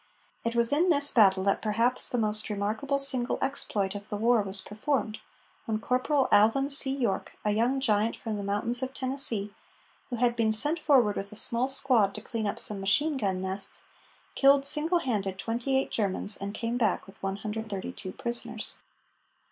It was in this battle that perhaps the most remarkable single exploit of the war was performed, when Corporal Alvin C. York, a young giant from the mountains of Tennessee, who had been sent forward with a small squad to clean up some machine gun nests, killed single handed twenty eight Germans, and came back with 132 prisoners.